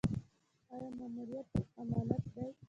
آیا ماموریت امانت دی؟